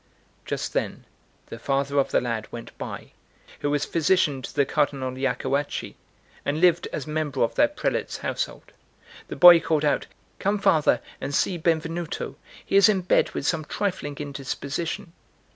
Just then the father of the lad went by, who was physician to the Cardinal Iacoacci, and lived as member of that prelate's household. The boy called out: "Come, father, and see Benvenuto; he is in bed with some trifling indisposition."